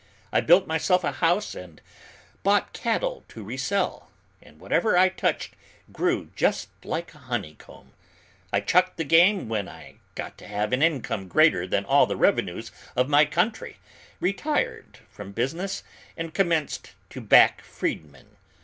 I built myself a house and bought cattle to resell, and whatever I touched grew just like a honeycomb. I chucked the game when I got to have an income greater than all the revenues of my own country, retired from business, and commenced to back freedmen.